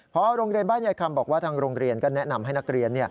พอโรงเรียนบ้านยายคำบอกว่าทางโรงเรียนก็แนะนำให้นักเรียน